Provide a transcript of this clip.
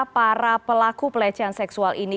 para pelaku pelecehan seksual ini